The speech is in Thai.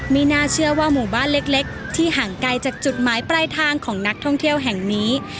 ไม่น่าเชื่อว่าหมู่บ้านเล็กที่ห่างไกลจากจุดหมายปลายทางของนักท่องเที่ยวแห่งนี้